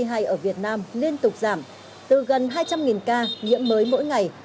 dịch bệnh covid hai ở việt nam liên tục giảm từ gần hai trăm linh ca nhiễm mới mỗi ngày